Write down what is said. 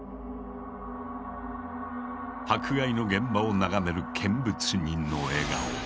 迫害の現場を眺める見物人の笑顔。